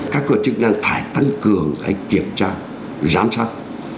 các cơ chức đang phải tăng cường cái kiểm tra giám sát